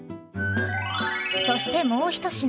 そしてもう一品。